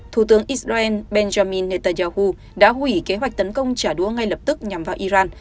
thủ tướng israel benjamin netanyahu đã hủy kế hoạch tấn công trả đũa ngay lập tức nhằm vào iran